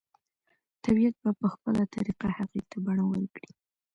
طبیعت به په خپله طریقه هغې ته بڼه ورکړي